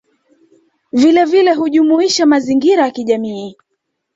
Vilevile hujumuisha mazingira ya kijamii